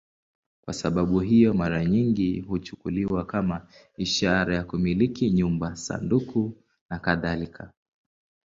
Kwa sababu hiyo, mara nyingi huchukuliwa kama ishara ya kumiliki nyumba, sanduku nakadhalika.